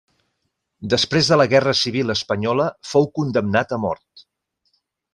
Després de la guerra civil espanyola, fou condemnat a mort.